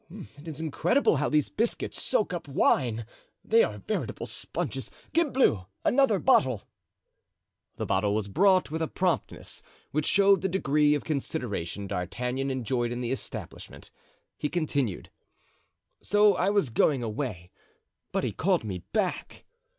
It is incredible how these biscuit soak up wine! They are veritable sponges! Gimblou, another bottle." The bottle was brought with a promptness which showed the degree of consideration D'Artagnan enjoyed in the establishment. He continued: "So I was going away, but he called me back.